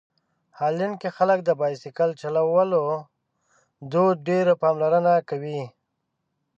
هالنډ کې خلک د بایسکل چلولو دود ډېره پاملرنه کوي.